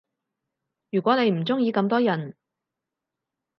如果你唔鐘意咁多人